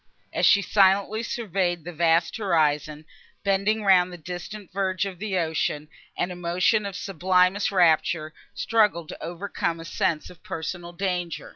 As she silently surveyed the vast horizon, bending round the distant verge of the ocean, an emotion of sublimest rapture struggled to overcome a sense of personal danger.